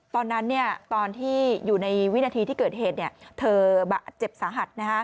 ตอนนั้นตอนที่อยู่ในวินาทีที่เกิดเหตุเธอเจ็บสาหัส